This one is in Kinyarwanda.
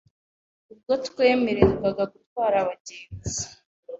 ubwo twemererwaga gutwara abagenzi